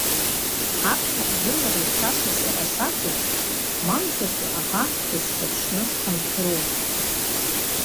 Аԥхьа ажәылара ицаша сара сакәу, мамзаргьы аӷа дысхьырԥшны схынҳәру?